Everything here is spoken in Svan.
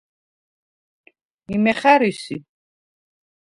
იმე ხა̈რი სი?